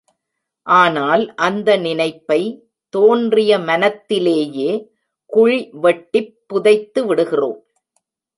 ஆனால் அந்த நினைப்பை, தோன்றிய மனத்திலேயே, குழி வெட்டிப் புதைத்துவிடுகிறோம்.